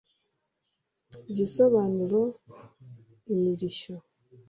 agisobanura imirishyo.